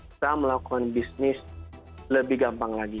kita melakukan bisnis lebih gampang lagi